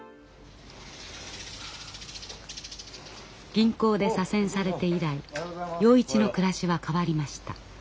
銀行で左遷されて以来洋一の暮らしは変わりました。